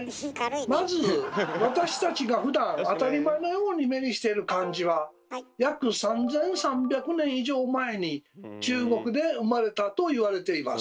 まず私たちがふだん当たり前のように目にしている漢字は約３，３００年以上前に中国で生まれたと言われています。